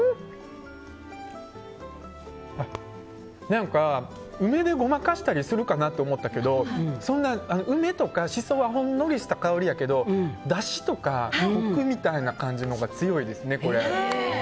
何か、梅でごまかしたりするかなって思ったけどそんな梅とかシソはほんのりした香りやけどだしとかコクみたいな感じのが強いですね。